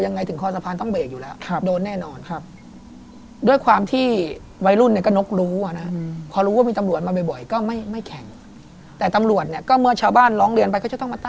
ยังไงถึงคอสะพานได้ต้องเบก